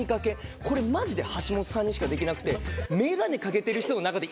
これマジで橋本さんにしかできなくて。